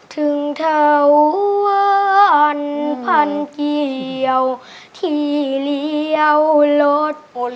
ถึงเท่าวันพันเกี่ยวที่เลี้ยวหลด